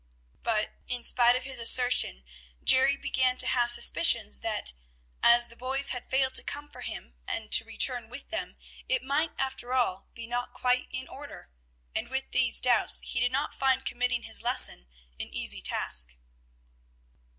But, in spite of this assertion, Jerry began to have suspicions that, as the boys had failed to come for him to return with them, it might, after all, be not quite in order; and with these doubts he did not find committing his lesson an easy task.